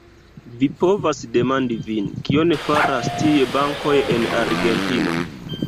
Vi povas demandi vin, kion faras tiuj bankoj en Argentino?